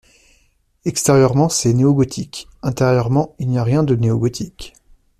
Extérieurement c'est néo-gothique ; intérieurement il n'y a rien de néo-gothique.